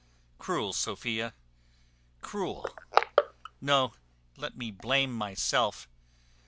Cruel Sophia! Cruel! No; let me blame myself!